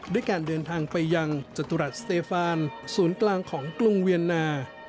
ด้วยการเดินทางไปยังจตุรัสสเตฟานศูนย์กลางของกรุงเวียนนา